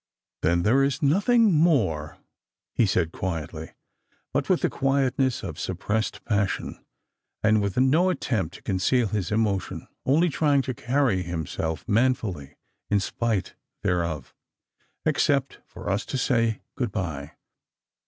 213 " Then there is nothing more," he said quietly, but with the quietness of suppi'essed passion, and with no attempt to conceal bis emotion, only trying to carry himself manfully in spite thereof, " except for us to say good bye.